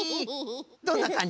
どんなかんじ？